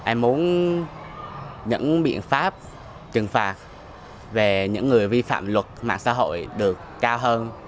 em muốn những biện pháp trừng phạt về những người vi phạm luật mạng xã hội được cao hơn